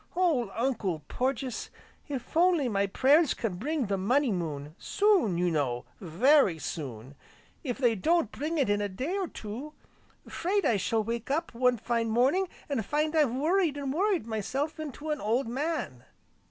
Oh Uncle Porges! if only my prayers can bring the Money Moon soon, you know, very soon! If they don't bring it in a day or two, 'fraid I shall wake up, one fine morning, an' find I've worried, an' worried myself into an old man."